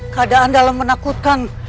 keadaan dalam menakutkan